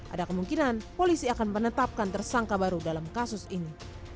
ada kemungkinan polisi akan menetapkan tersangka baru dalam kasus ini